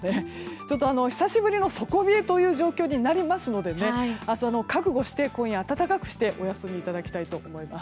ちょっと久しぶりの底冷えという状況になりますので覚悟して今夜暖かくしてお休みいただきたいと思います。